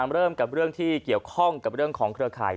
เริ่มกับเรื่องที่เกี่ยวข้องกับเรื่องของเครือข่าย